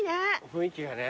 雰囲気がね。